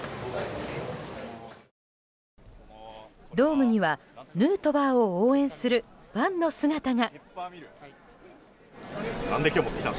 ドームにはヌートバーを応援するファンの姿が。